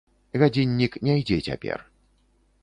Гадзіннік не ідзе цяпер.